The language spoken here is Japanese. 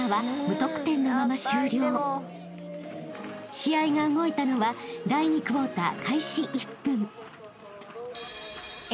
［試合が動いたのは第２クォーター開始１分］